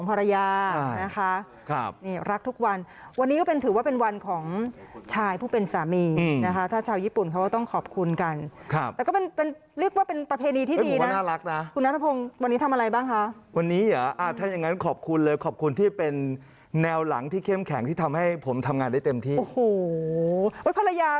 พรรยาเขาคอมเมนต์มาบอกว่าขอรับคำขอบคุณเป็นแหวนเท็จและเงินสด